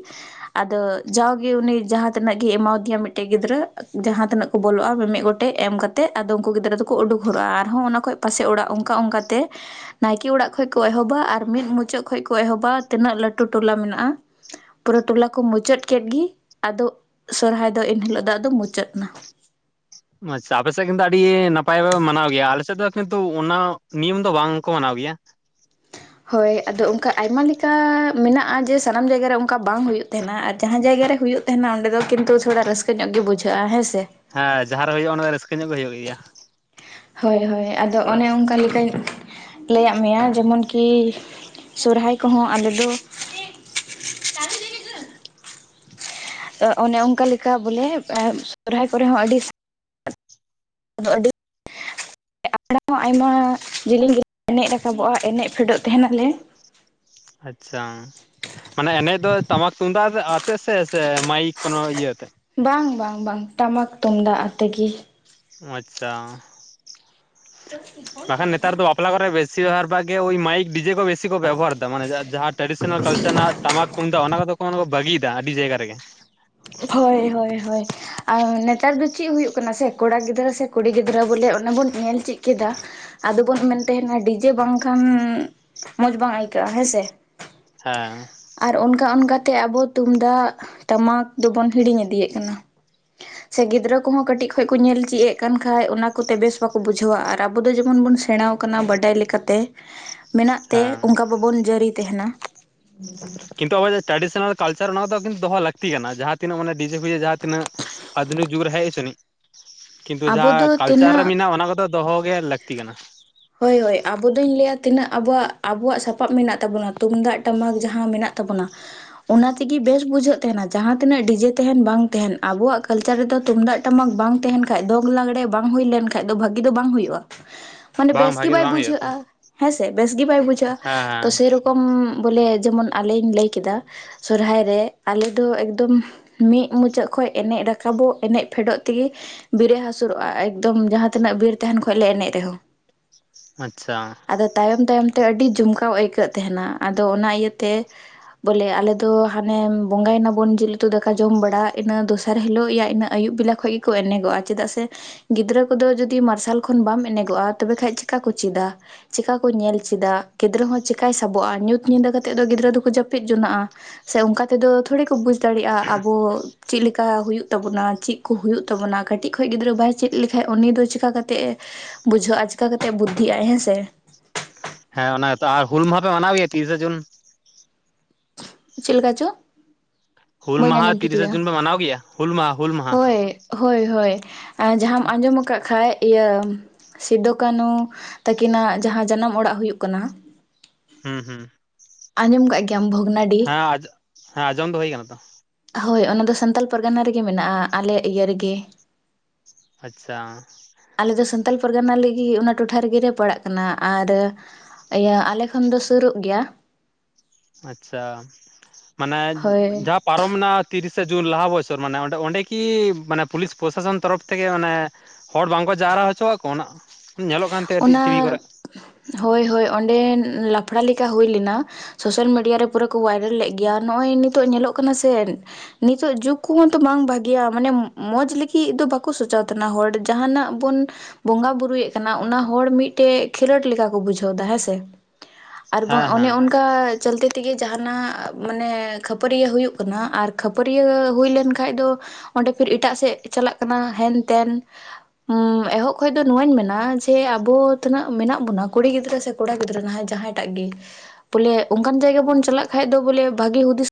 ᱟᱫᱚ ᱡᱟᱣᱜᱮ ᱩᱱᱤ ᱡᱟᱦᱟᱸᱛᱤᱱᱟᱜ ᱜᱮᱭ ᱮᱢᱟᱣᱫᱤᱭᱟ ᱢᱤᱫᱴᱮᱱ ᱜᱤᱫᱽᱨᱟᱹ ᱡᱟᱦᱟᱸ ᱛᱤᱱᱟᱹᱜ ᱵᱚᱞᱚᱜᱼᱟ ᱢᱤᱢᱤᱫ ᱜᱚᱴᱮᱡ ᱮᱢ ᱠᱟᱛᱮᱫ ᱟᱫᱚ ᱩᱱᱠᱩ ᱜᱤᱫᱽᱨᱟᱹ ᱫᱚᱠᱚ ᱩᱰᱩᱠ ᱦᱚᱨᱚᱜᱼᱟ, ᱟᱨᱦᱚᱸ ᱚᱱᱟ ᱠᱷᱚᱱ ᱯᱟᱥᱮᱡ ᱚᱲᱟᱜ ᱚᱱᱠᱟ ᱚᱱᱠᱟᱛᱮ ᱱᱟᱭᱠᱮ ᱚᱲᱟᱜ ᱠᱷᱚᱡ ᱠᱚ ᱮᱦᱚᱵᱼᱟ, ᱟᱨ ᱢᱤᱫ ᱢᱩᱪᱟᱹᱫ ᱠᱷᱚᱡ ᱠᱚ ᱮᱦᱚᱵᱟ ᱛᱤᱱᱟᱹᱜ ᱞᱟᱹᱴᱩ ᱴᱚᱞᱟ ᱢᱮᱱᱟᱜᱼᱟ᱾ ᱯᱩᱨᱟᱹ ᱴᱚᱞᱟ ᱠᱚ ᱢᱩᱪᱟᱹᱫ ᱠᱮᱫ ᱜᱮ ᱟᱫᱚ ᱥᱚᱨᱦᱟᱭ ᱫᱚ ᱮᱱᱦᱤᱞᱳᱜ ᱫᱚ ᱟᱫᱚ ᱢᱩᱪᱟᱹᱫ ᱮᱱᱟ ᱾ ᱟᱪᱪᱷᱟ ᱟᱯᱮᱥᱮᱫ ᱠᱤᱱᱛᱩ ᱟᱹᱰᱤ ᱱᱟᱯᱟᱭ ᱯᱮ ᱢᱟᱱᱟᱣ ᱜᱮᱭᱟ᱾ ᱟᱞᱮ ᱥᱮᱫ ᱫᱚ ᱠᱤᱱᱛᱩ ᱚᱱᱟ ᱱᱤᱭᱚᱢ ᱫᱚ ᱵᱟᱝ ᱠᱚ ᱢᱟᱱᱟᱣ ᱜᱮᱭᱟ ᱾ ᱦᱳᱭ ᱟᱫᱚ ᱚᱱᱠᱟ ᱟᱭᱢᱟ ᱞᱮᱠᱟ ᱢᱮᱱᱟᱜᱼᱟ ᱡᱮ ᱥᱟᱱᱟᱢ ᱡᱟᱭᱜᱟ ᱨᱮ ᱚᱱᱠᱟ ᱵᱟᱝ ᱦᱩᱭᱩᱜ ᱛᱟᱦᱮᱱᱟ ᱟᱨ ᱡᱟᱦᱟᱸ ᱡᱟᱭᱜᱟ ᱨᱮ ᱦᱩᱭᱩᱜ ᱛᱟᱦᱮᱱᱟ ᱚᱸᱰᱮ ᱫᱚ ᱠᱤᱱᱛᱩ ᱛᱷᱚᱲᱟ ᱨᱟᱹᱥᱠᱟᱹ ᱧᱚᱜ ᱜᱮ ᱵᱩᱡᱷᱟᱹᱜᱼᱟ ᱦᱮᱸ ᱥᱮ? ᱦᱮᱸ ᱡᱟᱦᱟᱸ ᱨᱮ ᱦᱩᱭᱩᱜᱼᱟ ᱚᱱᱟ ᱫᱚ ᱨᱟᱹᱥᱠᱟᱹ ᱧᱚᱜ ᱜᱮ ᱦᱩᱭᱩᱜ ᱜᱮᱭᱟ ᱾ ᱦᱳᱭ ᱦᱳᱭ ᱟᱫᱚ ᱚᱱᱮ ᱚᱱᱠᱟ ᱞᱮᱠᱟ ᱞᱟᱹᱭᱟᱜ ᱢᱮᱭᱟ ᱡᱮᱢᱚᱱ ᱠᱤ ᱥᱚᱨᱚᱦᱟᱭ ᱠᱚᱦᱚᱸ ᱟᱞᱮ ᱫᱚ (unintelligible) ᱚᱱᱮ ᱚᱱᱠᱟ ᱞᱮᱠᱟ ᱵᱚᱞᱮ ᱥᱚᱨᱦᱟᱭ ᱠᱚᱨᱮ ᱦᱚᱸ ᱟᱹᱰᱤ ᱟᱫᱚ ᱟᱹᱰᱤ, ᱯᱟᱲᱟ ᱦᱚᱸ ᱟᱭᱢᱟ ᱡᱮᱞᱮᱧ ᱜᱮ ᱮᱱᱮᱡ ᱨᱟᱠᱟᱵᱚᱜᱼᱟ, ᱮᱱᱮᱡ ᱯᱷᱮᱰᱚᱜ ᱛᱟᱦᱮᱱᱟᱞᱮ᱾ ᱟᱪᱪᱷᱟ, ᱢᱟᱱᱮ ᱮᱱᱮᱡ ᱫᱚ ᱴᱟᱢᱟᱠ ᱛᱩᱢᱫᱟᱜ ᱟᱛᱮᱜ ᱥᱮ, ᱥᱮ ᱢᱟᱭᱤᱠ ᱠᱳᱱᱚ ᱤᱭᱟᱹ ᱟᱛᱮᱜ? ᱵᱟᱝ ᱵᱟᱝ ᱵᱟᱝ ᱴᱟᱢᱟᱠ ᱛᱩᱢᱫᱟᱜ ᱟᱛᱮ ᱜᱮ᱾ ᱟᱪᱪᱷᱟ, ᱵᱟᱠᱷᱟᱡ ᱱᱮᱛᱟᱨ ᱫᱚ ᱵᱟᱯᱞᱟ ᱠᱚ ᱨᱮ ᱵᱮᱥᱤᱨ ᱵᱷᱟᱜ ᱜᱮ ᱳᱭ ᱢᱟᱭᱤᱠ, ᱰᱤᱡᱮ ᱵᱮᱥᱤ ᱠᱚ ᱵᱮᱵᱚᱦᱟᱨᱮᱫᱟ, ᱢᱟᱱᱮ ᱡᱟᱦᱟᱸ ᱴᱨᱟᱰᱤᱥᱚᱱᱟᱞ ᱠᱟᱞᱪᱟᱨ ᱨᱮᱱᱟᱜ ᱴᱟᱢᱟᱠ ᱛᱩᱢᱫᱟᱜ ᱚᱱᱟ ᱠᱚᱫᱚ ᱠᱚ ᱵᱟᱹᱜᱤ ᱤᱫᱤ ᱫᱟ ᱟᱹᱰᱤ ᱡᱟᱭᱜᱟ ᱨᱮᱜᱮ᱾ ᱦᱳᱭ ᱦᱳᱭ ᱦᱳᱭ᱾ ᱟᱨ ᱱᱮᱛᱟᱨ ᱫᱚ ᱪᱮᱫ ᱦᱩᱭᱩᱜ ᱠᱟᱱᱟ ᱥᱮ ᱠᱚᱲᱟ ᱜᱤᱫᱽᱨᱟᱹ ᱥᱮ ᱠᱩᱲᱤ ᱜᱤᱫᱽᱨᱟᱹ ᱵᱚᱞᱮ ᱚᱱᱟ ᱵᱚᱱ ᱧᱮᱞ ᱪᱮᱫ ᱠᱮᱫᱟ᱾ ᱟᱫᱚᱵᱚᱱ ᱢᱮᱱ ᱛᱟᱦᱮᱱᱟ ᱰᱤᱡᱮ ᱵᱟᱝᱠᱷᱟᱱ ᱢᱚᱡᱽ ᱵᱟᱝ ᱟᱹᱭᱠᱟᱹᱜᱼᱟ ᱦᱮᱸᱥᱮ᱾ ᱦᱮᱸ, ᱟᱨ ᱚᱱᱠᱟ ᱚᱱᱠᱟ ᱛᱮ ᱟᱵᱚ ᱛᱩᱢᱫᱟᱜ ᱴᱟᱢᱟᱠ ᱫᱚᱵᱚᱱ ᱦᱤᱲᱤᱧ ᱤᱫᱤᱭᱮᱫ ᱠᱟᱱᱟ᱾ (inaudible) ᱥᱮ ᱜᱤᱫᱽᱨᱟᱹ ᱠᱚᱦᱚᱸ ᱠᱟᱹᱴᱤᱡ ᱠᱷᱚᱡ ᱠᱚ ᱧᱮᱞ ᱪᱮᱫ ᱮᱜ ᱠᱟᱱ ᱠᱷᱟᱡ ᱚᱱᱟ ᱠᱚᱛᱮ ᱵᱮᱥ ᱵᱟᱠᱚ ᱵᱩᱡᱷᱟᱹᱣᱟ, ᱟᱨ ᱟᱵᱚ ᱫᱚ ᱡᱮᱢᱚᱱ ᱵᱚᱱ ᱥᱮᱬᱟᱣ ᱠᱟᱱᱟ ᱵᱟᱰᱟᱭ ᱞᱮᱠᱟᱛᱮ᱾ (inaudible) ᱢᱮᱱᱟᱜ ᱛᱮ ᱦᱮᱸ ᱚᱱᱠᱟ ᱵᱟᱵᱚᱱ ᱡᱟᱹᱨᱤᱭ ᱛᱟᱦᱮᱱᱟ᱾ ᱠᱤᱱᱛᱩ ᱟᱵᱚᱣᱟᱜ ᱴᱨᱟᱰᱤᱥᱚᱱᱟᱞ ᱠᱟᱞᱪᱟᱨ, ᱚᱱᱟ ᱠᱚ ᱫᱚ ᱠᱤᱱᱛᱩ ᱫᱚᱦᱚ ᱞᱟᱹᱠᱛᱤ ᱠᱟᱱᱟ᱾ ᱡᱟᱦᱟᱸ ᱛᱤᱱᱟᱹᱜ ᱢᱮᱱᱮ ᱰᱤᱡᱮ ᱯᱷᱤᱡᱮ ᱡᱟᱦᱟᱸ ᱛᱤᱱᱟᱹᱜ ᱟᱫᱷᱩᱱᱤᱠ ᱡᱩᱜᱽ ᱨᱮ ᱦᱮᱡ ᱦᱚᱪᱚᱱᱤᱡ᱾ ᱠᱤᱱᱛᱩ ᱟᱵᱚ ᱫᱚ ᱡᱟᱦᱟᱸ ᱠᱟᱞᱪᱟᱨ ᱨᱮ ᱛᱤᱱᱟᱹᱜ ᱢᱮᱱᱟᱜᱼᱟ ᱚᱱᱟ ᱠᱚᱫᱚ ᱫᱚᱦᱚ ᱜᱮ ᱞᱟᱹᱠᱛᱤ ᱠᱟᱱᱟ᱾ ᱦᱳᱭ ᱦᱳᱭ, ᱟᱵᱚ ᱫᱚᱧ ᱞᱟᱹᱭᱟ ᱛᱤᱱᱟᱹᱜ ᱟᱵ ᱟᱵᱚᱣᱟᱜ ᱥᱟᱯᱟᱯ ᱢᱮᱱᱟᱜ ᱛᱟᱵᱚᱱᱟ, ᱛᱩᱢᱫᱟᱜ, ᱴᱟᱢᱟᱠ ᱡᱟᱦᱟᱸ ᱢᱮᱱᱟᱜ ᱛᱟᱵᱚᱱᱟ᱾ ᱚᱱᱟ ᱛᱮᱜᱮ ᱵᱮᱥ ᱵᱩᱡᱷᱟᱹᱜ ᱛᱟᱦᱮᱱᱟ, ᱡᱟᱦᱟᱸ ᱛᱤᱱᱟᱹᱜ ᱰᱤᱡᱮ ᱛᱟᱦᱮᱱ ᱵᱟᱝ ᱛᱟᱦᱮᱱ ᱟᱵᱚᱣᱟᱜ ᱠᱟᱞᱪᱟᱨ ᱨᱮᱫᱚ ᱛᱩᱢᱫᱟᱜ ᱴᱟᱢᱟᱠ ᱵᱟᱝ ᱛᱟᱦᱮᱱ ᱠᱷᱟᱡ, ᱫᱚᱝ ᱞᱟᱜᱽᱲᱮ ᱵᱟᱝ ᱦᱩᱭ ᱞᱮᱱ ᱠᱷᱟᱡ ᱫᱚ ᱵᱷᱟᱹᱜᱤ ᱫᱚ ᱵᱟᱝ ᱦᱩᱭᱩᱜᱼᱟ᱾ (inaudible) ᱢᱟᱱᱮ ᱵᱮᱥ ᱜᱮ ᱵᱷᱟᱜᱮ ᱫᱚ ᱵᱟᱭ ᱵᱟᱝ ᱦᱩᱭᱩᱜᱼᱟ ᱛᱚ ᱵᱩᱡᱷᱟᱹᱜᱼᱟ᱾ ᱦᱮᱸᱥᱮ ᱵᱮᱥ ᱜᱮ ᱵᱟᱭ ᱵᱩᱡᱷᱟᱹᱜᱼᱟ ᱦᱮᱸ ᱛᱚ ᱦᱮᱸ ᱥᱮᱨᱚᱠᱚᱢ, ᱠᱚᱢ ᱵᱚᱞᱮ ᱡᱮᱢᱚᱱ ᱟᱞᱤᱧ ᱞᱟᱹᱭ ᱠᱮᱫᱟ, ᱥᱚᱨᱚᱦᱟᱭ ᱨᱮ ᱟᱞᱮ ᱫᱚ ᱮᱠᱫᱚᱢ ᱢᱤᱫ ᱢᱩᱪᱟᱹᱫ ᱠᱷᱚᱡ ᱮᱱᱮᱡ ᱨᱟᱠᱟᱵᱚᱜ ᱮᱱᱮᱡ ᱯᱷᱮᱰᱚᱜ ᱛᱮᱜᱮ ᱵᱤᱨᱮ ᱦᱟᱹᱥᱩᱨᱚᱜᱼᱟ, ᱮᱠᱫᱚᱢ ᱡᱟᱦᱟᱸ ᱛᱤᱱᱟᱹᱜ ᱵᱤᱨ ᱛᱟᱦᱮᱱ ᱠᱷᱚᱡ ᱞᱮ ᱮᱱᱮᱡ ᱨᱮᱦᱚᱸ᱾ ᱟᱪᱪᱷᱟ, ᱟᱫᱚ ᱛᱟᱭᱚᱢ ᱛᱟᱭᱚᱢ ᱛᱮ ᱟᱹᱰᱤ ᱡᱚᱢᱠᱟᱣ ᱟᱹᱭᱠᱟᱹᱜ ᱛᱟᱦᱮᱱᱟ, ᱟᱫᱚ ᱚᱱᱟ ᱤᱭᱟᱹᱛᱮ ᱵᱚᱞᱮ ᱟᱞᱮ ᱫᱚ ᱦᱟᱱᱮ ᱵᱚᱸᱜᱟᱭᱱᱟᱵᱚᱱ ᱡᱮᱞ ᱩᱛᱩ ᱫᱟᱠᱟ ᱡᱚᱢ ᱵᱟᱲᱟ ᱤᱱᱟᱹ ᱫᱚᱥᱟᱨ ᱦᱤᱞᱳᱜ ᱤᱭᱟᱹ ᱤᱱᱟᱹ ᱟᱭᱩᱵ ᱵᱮᱞᱟ ᱠᱷᱚᱡ ᱜᱮᱠᱚ ᱮᱱᱮᱜᱚᱜᱼᱟ, ᱪᱮᱫᱟᱜ ᱥᱮ ᱜᱤᱫᱽᱨᱟᱹ ᱠᱚᱫᱚ ᱡᱩᱫᱤ ᱢᱟᱨᱥᱟᱞ ᱠᱷᱚᱱ ᱵᱟᱢ ᱮᱱᱮᱜᱚᱜᱼᱟ ᱛᱚᱵᱮ ᱠᱷᱟᱡ ᱪᱤᱠᱟ ᱠᱚ ᱪᱮᱫᱟ᱾ ᱪᱤᱠᱟ ᱠᱚ ᱧᱮᱞ ᱪᱮᱫᱟ ᱜᱤᱫᱽᱨᱟᱹ ᱦᱚᱸ ᱪᱤᱠᱟᱭ ᱥᱟᱵᱚᱜᱼᱟ, ᱧᱩᱛ ᱧᱤᱫᱟᱹ ᱠᱟᱛᱮᱜ ᱫᱚ ᱜᱤᱫᱽᱨᱟᱹ ᱫᱚᱠᱚ ᱡᱟᱹᱯᱤᱫ ᱡᱚᱱᱟᱜᱼᱟ᱾ ᱥᱮ ᱚᱱᱠᱟ ᱛᱮᱫᱚ ᱛᱷᱚᱲᱮ ᱠᱚ ᱵᱩᱡ ᱫᱟᱲᱮᱭᱟᱜᱼᱟ, ᱟᱵᱚ ᱪᱮᱜᱞᱮᱠᱟ ᱦᱩᱭᱩᱜ ᱛᱟᱵᱚᱱᱟ ᱪᱮᱫ ᱠᱚ ᱦᱩᱭᱩᱜ ᱛᱟᱵᱚᱱᱟ, ᱠᱟᱹᱴᱤᱡ ᱠᱷᱚᱡ ᱜᱤᱫᱽᱨᱟᱹ ᱵᱟᱭ ᱪᱮᱫ ᱞᱮᱠᱷᱟᱡ ᱩᱱᱤ ᱫᱚ ᱪᱤᱠᱟ ᱠᱟᱛᱮᱜ ᱮ ᱵᱩᱡᱷᱟᱹᱜᱼᱟ ᱪᱤᱠᱟ ᱠᱟᱛᱮᱜ ᱵᱩᱫᱽᱫᱷᱤᱟᱭ ᱦᱮᱸ ᱥᱮ᱾ ᱦᱮᱸ ᱚᱱᱟ ᱜᱮᱛᱚ ᱟᱨ ᱦᱩᱞ ᱢᱟᱦᱟ ᱯᱮ ᱢᱟᱱᱟᱣ ᱜᱮᱭᱟ ᱛᱤᱨᱤᱥᱟ ᱡᱩᱱ? ᱪᱮᱫ ᱞᱮᱠᱟ ᱪᱚ? ᱦᱩᱞ ᱵᱟᱹᱧ ᱢᱟᱦᱟ ᱟᱸᱡᱚᱢ ᱴᱷᱤᱠ ᱛᱤᱨᱤᱥᱟ ᱞᱮᱜᱼᱟ ᱡᱩᱱ ᱯᱮ ᱢᱟᱱᱟᱣ ᱜᱮᱭᱟ, ᱦᱩᱞ ᱢᱟᱦᱟ ᱦᱩᱞ ᱢᱟᱦᱟ? ᱦᱳᱭ ᱦᱳᱭ ᱦᱳᱭ ᱡᱟᱦᱟᱢ ᱟᱸᱡᱚᱢ ᱟᱠᱟᱫ ᱠᱷᱟᱡ ᱤᱭᱟᱹ ᱥᱤᱫᱩ ᱠᱟᱹᱱᱩ ᱛᱟᱹᱠᱤᱱᱟᱜ ᱡᱟᱦᱟᱸ ᱡᱟᱱᱟᱢ ᱚᱲᱟᱜ ᱦᱩᱭᱩᱜ ᱠᱟᱱᱟ, ᱦᱩᱸ ᱦᱩᱸ᱾ ᱟᱸᱡᱚᱢ ᱠᱟᱜ ᱜᱮ᱾ ᱦᱮᱸ ᱟᱸᱡ ᱦᱮᱸ ᱟᱸᱡᱚᱢ ᱫᱚ ᱦᱳᱭ ᱠᱟᱱᱟ ᱛᱚ᱾ ᱦᱳᱭ ᱚᱱᱟ ᱫᱚ ᱥᱟᱱᱛᱟᱞ ᱯᱟᱨᱜᱟᱱᱟ ᱨᱮᱜᱮ ᱢᱮᱱᱟᱜᱼᱟ, ᱟᱞᱮ ᱤᱭᱟᱹ ᱨᱮᱜᱮ᱾ ᱟᱪᱪᱷᱟ᱾ ᱟᱞᱮ ᱫᱚ ᱥᱟᱱᱛᱟᱲ ᱯᱟᱨᱜᱟᱱᱟ ᱞᱟᱹᱜᱤᱫ ᱚᱱᱟ ᱴᱚᱴᱷᱟ ᱨᱮᱜᱮᱞᱮ ᱯᱟᱲᱟᱜ ᱠᱟᱱᱟ ᱟᱨ ᱤᱭᱟᱹ ᱟᱞᱮ ᱠᱷᱚᱱ ᱫᱚ ᱥᱩᱨᱩᱜ ᱜᱮᱭᱟ᱾ ᱟᱪᱪᱷᱟ, ᱢᱟᱱᱮ ᱦᱳᱭ ᱡᱟᱯ ᱯᱟᱨᱚᱢᱮᱱᱟ ᱛᱤᱨᱤᱥᱟ ᱡᱩᱱ ᱞᱟᱦᱟ ᱵᱚᱪᱷᱚᱨ ᱢᱟᱱᱮ ᱚᱸᱰᱮ ᱚᱸᱰᱮ ᱠᱤ ᱢᱟᱱᱮ ᱯᱩᱞᱤᱥ ᱯᱨᱚᱥᱟᱥᱚᱱ ᱛᱚᱨᱚᱯᱷ ᱛᱷᱮᱠᱮ ᱚᱱᱮ ᱦᱚᱲ ᱵᱟᱝ ᱠᱚ ᱡᱟᱣᱨᱟ ᱦᱚᱪᱚ ᱟᱠᱚ ᱚᱱᱟ ᱧᱮᱞᱚᱜ ᱠᱟᱱ ᱛᱟᱦᱮᱸ ᱴᱤᱵᱷᱤ ᱚᱱᱟ ᱠᱚᱨᱮ ᱦᱳᱭ ᱦᱳᱭ ᱚᱸᱰᱮ ᱞᱟᱯᱷᱲᱟ ᱞᱮᱠᱟ ᱦᱩᱭ ᱞᱮᱱᱟ᱾ ᱥᱳᱥᱟᱞ ᱢᱤᱰᱤᱭᱟ ᱨᱮ ᱯᱩᱨᱟᱹ ᱠᱚ ᱵᱷᱟᱭᱨᱟᱞ ᱞᱮᱫ ᱜᱮᱭᱟ ᱱᱚᱜᱼᱚᱭ ᱱᱤᱛᱚᱜ ᱧᱮᱞᱚᱜ ᱠᱟᱱᱟ ᱥᱮ ᱱᱤᱛᱚᱜ ᱡᱩᱜᱽ ᱠᱚᱦᱚᱸ ᱛᱚ ᱵᱟᱝ ᱵᱷᱟᱜᱤᱭᱟ ᱢᱟᱱᱮ ᱢᱚᱡᱽ ᱞᱟᱹᱜᱤᱫ ᱫᱚ ᱵᱟᱠᱚ ᱥᱟᱪᱟᱣ ᱛᱟᱦᱮᱱᱟ ᱦᱚᱲ ᱡᱟᱦᱟᱱᱟᱜ ᱵᱚᱱ ᱵᱚᱸᱜᱟ ᱵᱩᱨᱩᱭᱮᱜ ᱠᱟᱱᱟ ᱚᱱᱟ ᱦᱚᱲ ᱢᱤᱫ ᱴᱮᱡ ᱠᱷᱮᱞᱳᱰ ᱞᱮᱠᱟ ᱠᱚ ᱵᱩᱡᱷᱟᱹᱣ ᱫᱟ ᱦᱮᱸᱥᱮ, ᱟᱨ ᱵᱟᱝ ᱦᱮᱸ ᱦᱮᱸ ᱚᱱᱮ ᱚᱱᱠᱟ ᱪᱮᱞᱛᱮ ᱛᱮᱜᱮ ᱡᱟᱦᱟᱱᱟᱜ ᱢᱟᱱᱮ ᱠᱷᱟᱹᱯᱟᱹᱨᱤᱭᱟᱹ ᱦᱩᱭᱩᱜ ᱠᱟᱱᱟ ᱟᱨ ᱠᱷᱟᱹᱯᱟᱹᱨᱤᱭᱟᱹ ᱦᱩᱭ ᱞᱮᱱ ᱠᱷᱟᱡ ᱫᱚ ᱚᱸᱰᱮ ᱯᱷᱤᱨ ᱮᱴᱟᱜ ᱥᱮᱜ ᱪᱟᱞᱟᱜ ᱠᱟᱱᱟ ᱦᱮᱱᱼᱛᱮᱱ ᱩᱸ ᱮᱦᱚᱵ ᱠᱷᱚᱡ ᱫᱚ ᱱᱚᱣᱟᱧ ᱢᱮᱱᱟ ᱥᱮ ᱟᱵᱚ ᱛᱤᱱᱟᱹᱜ ᱢᱮᱱᱟᱜ ᱵᱚᱱᱟ ᱠᱩᱲᱤ ᱜᱤᱫᱽᱨᱟᱹ ᱥᱮ ᱠᱚᱲᱟ ᱜᱤᱫᱽᱨᱟᱹ ᱱᱟᱦᱟᱭ ᱡᱟᱦᱟᱸᱭ ᱴᱟᱜ ᱜᱮ ᱵᱚᱞᱮ ᱚᱱᱠᱟᱱ ᱡᱟᱭᱜᱟ ᱵᱚᱱ ᱪᱟᱞᱟᱜ ᱠᱷᱟᱡ ᱫᱚ ᱵᱚᱞᱮ ᱵᱷᱟᱜᱮ ᱦᱩᱫᱤᱥ